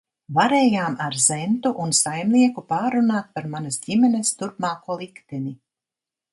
Varējām ar Zentu un saimnieku pārrunāt par manas ģimenes turpmāko likteni.